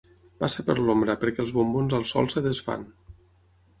Passa per l'ombra, perquè els bombons al sol es desfan.